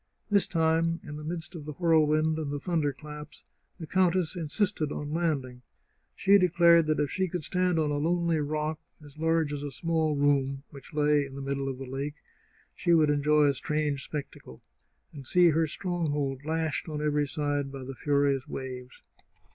This time, in the midst of the whirlwind and the thunderclaps, the countess insisted on landing ; she declared that if she could stand on a lonely rock, as large as a small room, which lay in the middle of the lake, she would enjoy a strange spectacle, and see her stronghold lashed on every side by the furious waves.